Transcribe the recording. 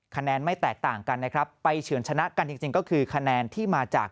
คะแนนไม่แตกต่างกันนะครับไปเฉินชนะกันจริงก็คือคะแนนที่มาจาก